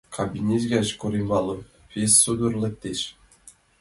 Кабинет гыч Корембалов пеш содор лектеш.